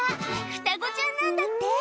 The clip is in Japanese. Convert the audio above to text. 双子ちゃんなんだって。